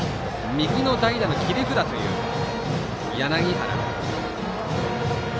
右の代打の切り札という柳原。